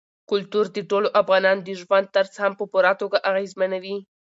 کلتور د ټولو افغانانو د ژوند طرز هم په پوره توګه اغېزمنوي.